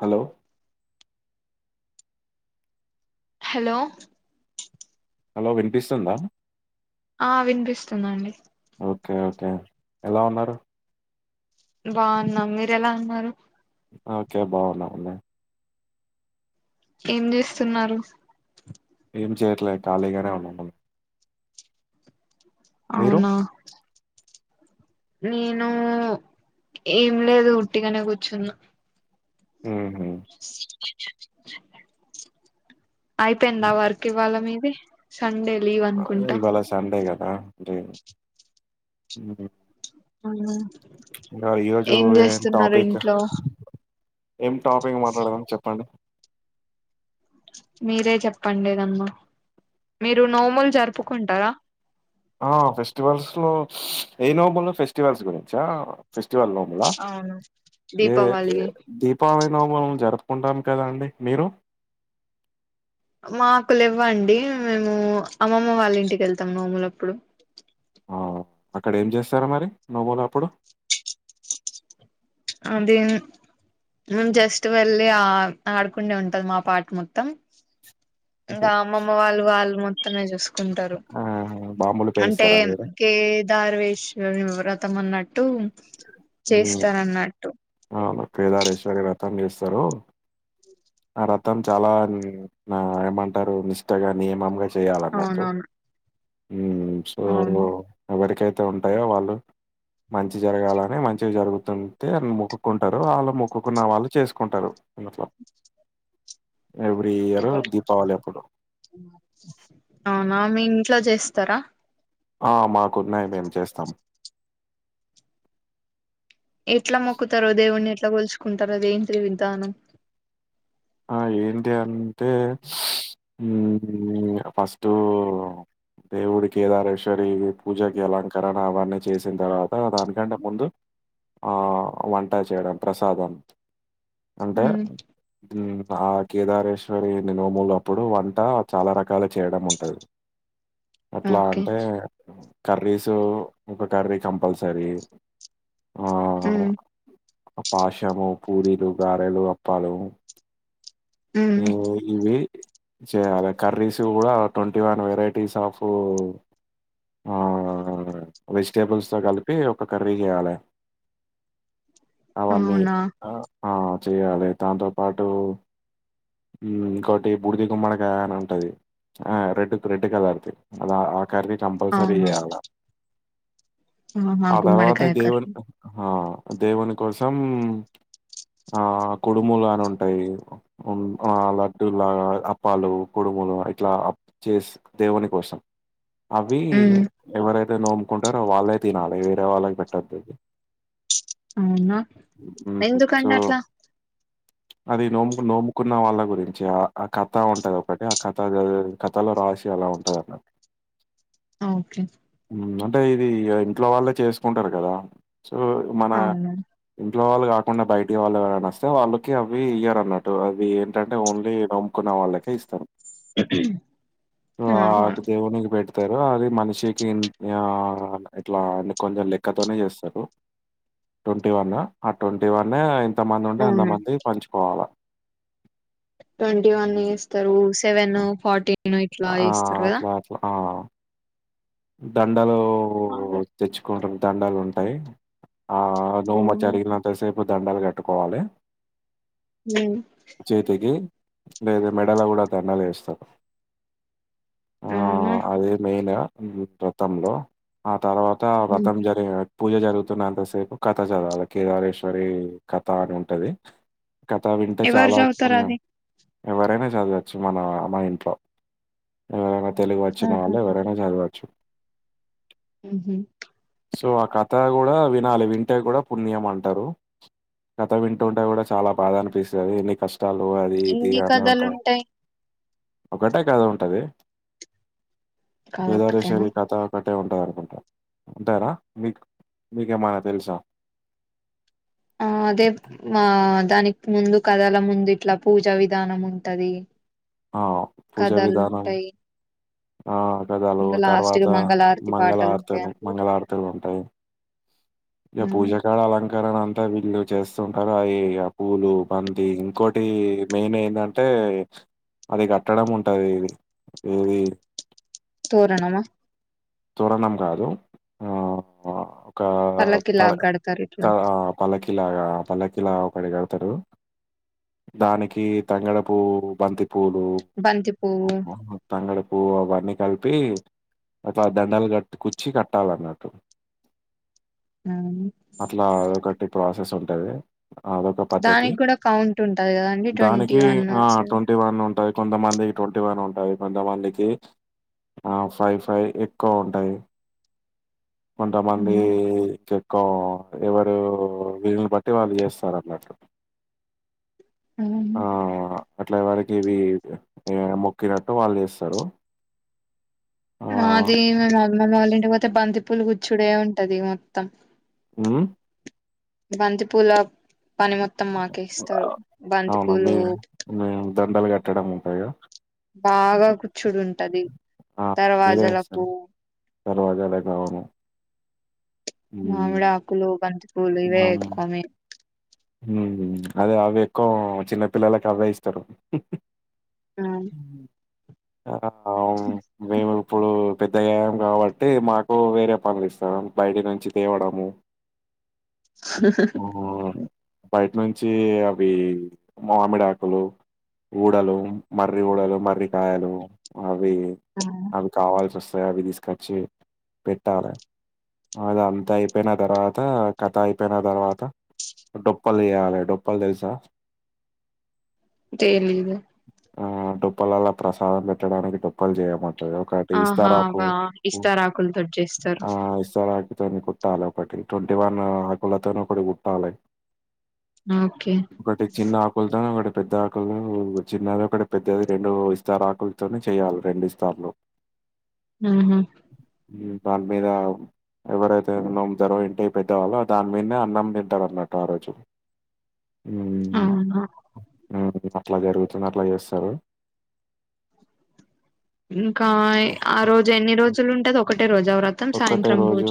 Hello hello hello వినిపిస్తుందా ఆ వినిపిస్తుందండి ఓకే ఓకే ఎలా ఉన్నారు బాగున్నా మీరు ఎలా అన్నారు ఆ ఓకే బాగున్నా అండి ఏం చేస్తున్నారు చేర్లే కాలిగానే ఉన్నా అవునా నేను ఏం లేదు ఉట్టిగానే కూర్చున్న హ అయిపోయిందా వర్క్ ఇవాళ మీది డి సండే లీవ్ అనుకుంటా ఆఫ్ డే ఉ హు అవునా ఈరోజు ఏం ఏ చేస్తున్నారు టాపిక్ ఇంట్లో ఏం టాపింగ్ మాట్లాడదాం చెప్పండి మీరే చెప్పండి ఏదన్న మీరు నోములు జరుపుకుంటారా ఆ ఫెస్టివల్స్ లో ఏ నబల్లో ఫెస్టివల్స్ గురించా ఫస్ దీవాలి నోముల అవును, ఏ దీపావళి దీపావలి నోములు జరుపు కుంటాం కదా అండి మీరు మాకు లెవ్వండి మేము అమ్మమ్మ వాళ్ళ ఇంటికి వెళ్తాం నోములప్పుడు అక్కడ ఏం చేస్తారా మరి నోమోలప్పుడు అదే మేము జస్ట్ వెళ్లి ఆ ఆడుకుడే ఉంటది మా పాట్ మొత్తం ఇంగా అమ్మమ్మ వాళ్ళు వాళ్ళు మొత్తమే చూసు కుంటారు ఆహా! బాంబులు అంటే పేలుస్తారా మీరు? కేదార్వేశ్ [unintelligible] వ్రతం అన్నట్టు హ్మ్. చేస్తారన్నట్టు అవును [unintelligible] వ్రతం చేస్తారు ఆ రతం చాల నా ఏమంటారు నిష్టగా నియమంగా చేయాలన్నట్టు అవునవును సో అవును ఎవరికైతే ఉంటాయో వాళ్ళు మంచి జరగాలని మంచిగా జరుగుతుంటే మొక్కుంటారు వాళ్ళు మొక్కున్న వాళ్ళు చేసుకుంటారు [unintelligible] ఎవ్రీ ఇయర్ దీపావళి అప్పుడు. అవునా మీ [unintelligible] చేస్తార ఆ మాకున్నాయి మేము చేస్తాం ఎట్లా మొక్కుతారో దేవుణ్ని ఎట్లా పోల్చుకుంటారో [unintelligible] విధానం ఆ ఏంటి అంటే ఫస్ట్ దేవుడి కేదరేశ్వరి పూజకి అలంకరణ అవన్నీ చేసిన తర్వాత దానికంటే ముందు వంట చేయడం ప్రసాదం అంటే ఉమ్ ఆ కేదారేశ్వరి నోములు అప్పుడు వంట చాల రకాలు చేయడం ఉంటది అట్లా ఓకే అంటే కర్రీసు ఒక కర్రీ కంపల్సరీ హు ఆ పాషము పూరీలు గారెలు అప్పలు ఉమ్ [unintelligible] చేయాలి కర్రీస్ కూడ ట్వంటీ వన్ వెరైటీస్ ఆఫ్ వెజిటేబుల్స్తో కలిపి ఒక కర్రీ చేయాలే అవున చెయాలి దాంతో పాటు ఇంకోటి బుడిది గుమ్మడికాయా అని ఉంటది ఆ రెడ్ రెడ్ కలర్ ది ఆ కర్రీ కంపల్సరీ అవును చేయాలా ఆహా ఆ తర్వాత గుమ్మడికాయ దేవున్ కర్రీ దేవుని కోసం ఆ కుడుములు అని ఉంటాయి ఆ లడ్డడు లాగ అప్పాలు కొడుములు ఇట్లా చేసి దేవుని కోసం అవి ఉమ్ ఎవరైతే నోముకుంటారో వాళ్ళే తినాలి వేరే వాళ్ళకి పెట్టదు అవునా సో ఎందుకండి అట్లా అది నోము నోముకున్న వాళ్ళ గురించి ఆ కథ ఉంటంది ఆ కథ కథలో రాసి అలా ఉంటది అన్నట్టు ఆ ఒకే అంటే ఇది ఇంట్లో వాళ్ళే చేసుకుంటారు కదా సో మన అవును లో వాళ్ళ కాకుండా బయట వాళ్ళ ఎవరని వస్తే వాళ్ళకి అవి ఇయ్యరు అన్నారు అ అది ఏంటంటే ఓన్లీ నోముకున్న వాళ్ళకే ఇస్తారు ఆ అవునా దేవునికి [unintelligible] తరు అది మనిషికి ఇట్లా కొంచెం లెక్కతోనే చేస్తరు ట్వంటీ వన్ ఆ ట్వంటీ వన్ ఇంతమంది ఉంటే అవును అంతమంది పంచుకోవాల ట్వంటీ వన్ ఎస్తారు సెవెన్ ఫార్టీ వన్ ఇట్లా ఆ! చేస్తారు కదా దండాలు అవునా తెచ్చుకుంటు దండలు ఉంటాయి ఆ నోమ జరిగినంత సేపు దండలు కట్టుకోవాలె చేతికి లేద మెడల కూడ దండలు వేస్త ఆ అదే మెయిన్ వ్రతం లో తర్వాత వ్రతం జరి [unintelligible] పూజ జరుగుతున్నంత సేపు కథ చదవాలి కేదారేశ్వరి కథ అని ఉంటది కథ వింటే ఎవరు చాలా చదువుతారు ఆత్పుణ్యం. అది ఎవరైనా జదవచ్చు మన మా ఇంట్లో. ఎవరైనా. తెలుగు వచ్చిన ఆహా వాళ్ళు ఎవరైనా జదవచ్చు. ఊహు. సో ఆ కథ గూడా వినాలి వింటే గూడా పుణ్యం అంటారు. కథ వింటుంటే గూడా చాలా బాధా అనిపిస్తది ఎన్ని కష్. టాలు అది ఇది ఎన్ని అని కథలు ఉంటాయి. ఒకటే కదా ఉంటది. కాదొక్కటే. [unintelligible] కథ ఒకట్. టే ఉంటదనుకుంటా. ఉంటాదా మీకు మీకేమనా తెలుసా.? ! ఆదే మా దాని. ముందు కధల ముందు ఇట్లా పూజా విధానం ఉంటది. ఆ పూజా కథలు విధానం, ఉంటాయి ఆ. పెదాలు, ఇంక లాస్ట్ తర్వాత కి మంగళహారతి పాటలు ఉంటాయి మంగళార్తులు, అందులో మంగళారతులుంటాయి. ఇగ మ్మ్. పూజాకాడ అలాంటి. కరణ అంటే వీళ్ళు చేస్సుంటారు అయి ఆ పూలు బంతి, ఇంకోటి మెయిన్ ఏందంటే. ! ఏ అది గట్టడం ఉంటది ఇది. తోరణమా. ! తోరణం గాదు ఆ. కా పల్లకి తడ, లాగ కడతారు ఇట్లా తడ ఆ పల్లకిలాగా ఆ పల్లకిలా. పడిగడతారు. దానికి తంగేడుపువ్వు, బంతి పూలు, బంతి పువ్వు తంగేడుపూ అవన్నీ కలిపి. అట్లా దండాలు గట్టి కచ్చీ కట్టాలన్నట్టు. మ్మ్. అట్లా అదొకటి ప్రాసెసుంటది. అదొక పద్ధతి దానికి కూడా కౌంట్ ఉంటది కదండి ట్వంటీ దానికి వన్ ఆ సెవెన్ ట్వంటీ వన్ ఊ. టయి. కొంతమంది ట్వంటీ వన్ ఉంటాయి. కొంతమందికి ఆ ఫైవ్ ఫైవ్. ఎక్కువుంటాయి. కొంతమంది కే. కా,. ఎవరు వీళ్ళుని బట్టి వాళ్ళు జేస్తారన్నటు. ఉహూ. అట్లా ఎవరికివి యా మొక్కినట్టు వాళ్ళు జేస్తారు. మాది మేమమ్మమ్మొళింటికి పోతే బంతి పూలు గుచుడే ఉంటది మొత్తం. ఊమ్మ్. బంతిపుల. పని మొత్తం మాకే ఇస్తారు. ! బంతి అవును. పూలు. మీరే మేము దండలు కట్టడం ఉంటదిగా. బాగా కూచ్చులుంటది, దర్వాజలకు. దర్వాజాలకా. ! మామిడి ఆకులు బంతి పూలు ఇవే అవునా ఎక్కువ హ్మ్ అదే అవెక్కువ చిన్న పిల్లలకి అవే ఇస్తారు ఉహ్హుహ్హు. ఆ [unintelligible] ఊ మేమూ. ఇప్పుడు పెద్దగయం గాబట్టి మాకు వేరే పనులిస్తా బయటి నుంచి తేవడము. ఆ బయటినుంచి అవి మామిడాకులు. ఊడలు, మర్రి ఊడలు మర్రికాయలు, అవి ఆ అవి కావాల్సొస్. తాయి అవి దస్కచ్చి పెట్టాలె. అదంతాయిపోయిన దర్వాత కథ అయిప్. చెప్పిన తర్వాత డొప్పలు దీయాలె, డొప్పలు దెల్సా.? ! తెలీదు ఆ డొప్పలలా ప్రసాదం బెట్టడానికి డొప్పలు జేయమన్. టది ఒకటి ఆహా ఇస్తారాకు వా కు ఇస్తారాకులతోటి చేస్తారు ఆ ఇస్తారాకు. తోని కుట్టాలొకటి. ట్వంటీ వన్ ఆకులతోనొకటి గుట్టాలె. ఓకే ఒకటి చిన్న ఆకుల్తోనొకటి. పెద్దాకులు చిన్నదొకటి పెద్దది రెండు ఇస్తారాకుల్తోనే చేయాలి రెండు ఇస్తార్లు. ఊహు. దాని మీద ఎవరైతే ఉన్నాం జ్వర ఇంటి అ పెద్దవాళ్ళ దాని మీద అన్నం తింటారున్నట్టు ఆ రోజు అవునా ఇ అట్లా జరుగుతుంది అట్లా చేస్తారు ఇంకా ఆ రోజు ఎన్ని రోజులు ఉంటది ఒకటే రోజు వ్రతం ఒకటే సాయంత్రం రోజు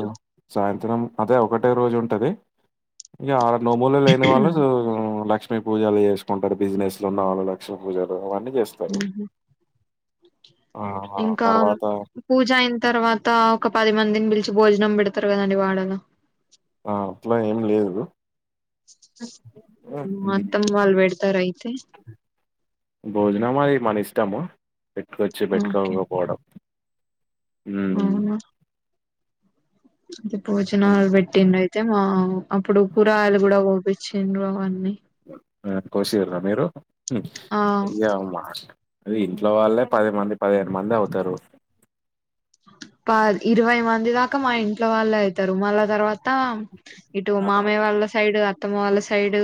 సాయంత్రం అదే ఒకటే రోజు ఉంటది ఇక ఆ నోములు లేని వాళ్ళు లక్ష్మీ పూజలు చేసుకుంటారు బిజినెస్ లో ఉన్న వాళ్ళు లక్ష్మీ పూజలు అవన్నీ చేస్తారు ఉహు ఆ! హ్మ్. ఆ! ఇంకా తర్వాత పూజ అయిన తర్వాత ఒక పది మంది పిలిచి భోజనం పెడతారు కదండి వాడలో ఆ అప్పులా ఏం లేదు హ్మ్. మొత్తం వాళ్ళు పెడతార అయితే భోజనం అది మన ఇష్టము పెట్టుకొచ్చి ఓకే పెట్టుకోకపోవడం హ అతే హ్మ్. భోజనాలు పెట్టిండు అయితే మా అప్పుడు కూరగాయలు కూడా పోపించిండ్రు అన్నీ ఆ కోసిరా మీరు ఆ యమ్మా అది ఇంట్లో వాళ్ళే పది మంది పదిహేను మంది అవుతారు ప ఇరవై మంది దాకా మా ఇంట్లో వాళ్ళు అయితారు మళ్ళా తర్వాత ఇటు ఆ! మామయ్య వాళ్ళ సైడు అత్తమ్మ వాళ్ళ సైడు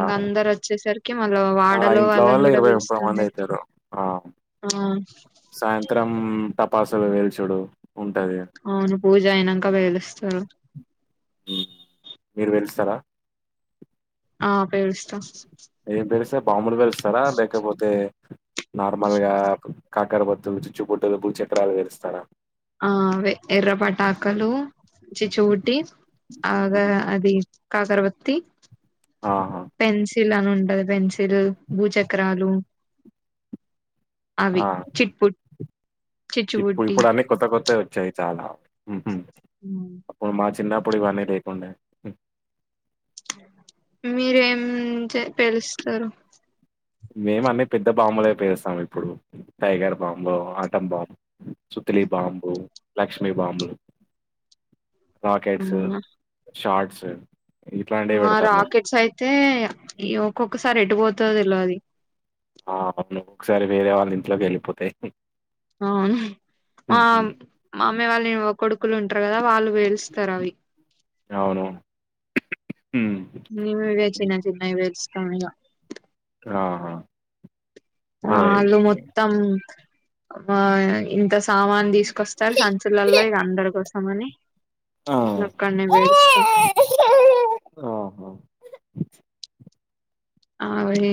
ఆ మళ్ళ ఆ వాడలో ఇంట్లో వాళ్ళని వల్ల కూడా ఇరవై ముప్పై మంది పిలుస్తుండే అయితారు ఆ ఆ సాయంత్రం టపాసులు పేల్చుడు ఉంటది. అవును పూజ అయినాంక పెలుస్తారు మీరు పేలుస్తారా ఆ పేలుస్తాం ఏం పేలుస్తరు బాంబూలు పేలుస్తారా లేకపోతే నార్మల్ గా కాకర పొత్తులు చుచ్చు బుడ్డిలు భూ చక్రాలు పేలుస్తారా ఆ ఆవే ఎర్ర పటాకలు చిచ్చు బుడ్డి ఆగా హ్మ్. అది కాకరవత్తి ఆహా కిందన ఉంటది పెన్సిల్ భూచక్రాలు అవి ఆ! చిట్పుట్ ఇప్పుడు చిచ్చుబుట్టి ఇప్పుడన్ని కొత్త కొత్తవి వచ్చాయి చాలా అప్పుడు మా చిన్నప్పుడు ఇవన్నీ లేకుండా మీరేం చే పేలుస్తారు మేము అన్ని పెద్ద బాంబులే పేలుస్తాము ఇప్పుడు టైగర్ బాంబు ఆటం బాంబు చు కుత్లీ బాంబు లక్ష్మి బాంబులు రాకెట్స్, అవునా షార్ట్స్ ఇట్లాంటివి ఆ పెడతాం మేము. రాకెట్స్ అయితే ఈ ఒక్కొక్కసారి ఎటు పోతదో తెల్వది ఆవును ఒకసారి వేరే వాళ్ళ ఇంట్లోకి వెళ్ళిపోతాయి అవును మా మామయ్య వాళ్ళని కొడుకులు ఉంటారు కదా వాళ్ళు పేలుస్తారు అవి అవును హ్మ్. మేము ఇవే చిన్న చిన్నవి పేలుస్తాము ఇలా ఆ ఆ ఆళ్ళు మొత్తం ఆ ఇంతస్ సామాన్ తీసుకొస్తారు సంచులల్లో ఇగ అందరి కోసం అని ఆ కొన్ని పేలుస్తాం ఆహా ఆవి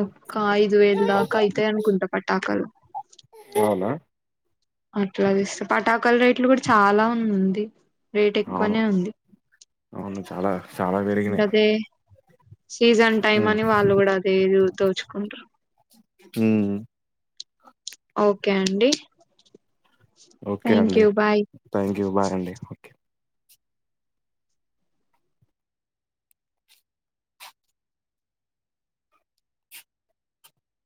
ఒక్క ఐదు వేలు దాకా అయితాయి అనుకుంటా పటాకలు అవునా అట్లాదిస్ పటాకల రేట్లు కూడా చాలా ఉంది రేట్ అవును ఎక్కువనే ఉంది. అవును చాలా చాలా పెరిగినయ్. అదే సీజన్ టైమ్ అని వాళ్ళు కూడా అదేది దోచుకుంటరు. ఉమ్ ఓకే అండి ఓకే అండి thank you bye thank you bye అండి ఓకే